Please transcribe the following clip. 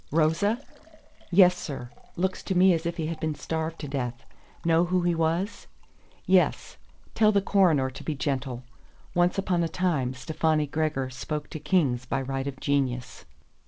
"Rosa?" "Yes, sir. Looks to me as if he had been starved to death. Know who he was?" "Yes. Tell the coroner to be gentle. Once upon a time Stefani Gregor spoke to kings by right of genius."